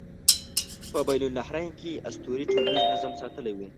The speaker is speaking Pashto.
په بین النهرین کې اسطورې ټولنیز نظم ساتلی و.